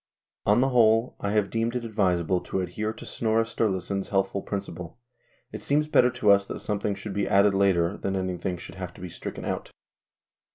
On the whole I have deemed it advisable to adhere to Snorre Sturlason's healthful principle :" It seems better to us that some thing should be added later than that anything should have to be stricken out."